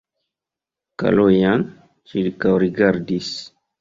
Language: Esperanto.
Kalojan ĉirkaŭrigardis.